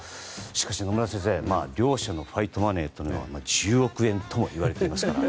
しかし、野村先生両者のファイトマネーは１０億円といわれています。